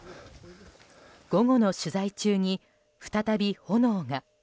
午後の取材中に再び炎が。